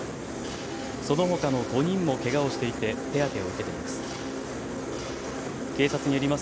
そのほかの５人もけがをしていて手当てを受けています。